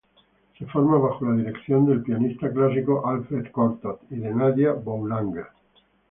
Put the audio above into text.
Se forma bajo la dirección del pianista clásico Alfred Cortot y de Nadia Boulanger.